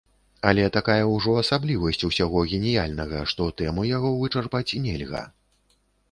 Але такая ўжо асаблівасць усяго геніяльнага, што тэму яго вычарпаць нельга.